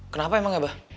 kenapa emang ya ba